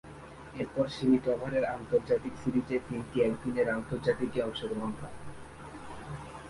এরপর সীমিত ওভারের আন্তর্জাতিক সিরিজে তিনটি একদিনের আন্তর্জাতিকে অংশগ্রহণ করে।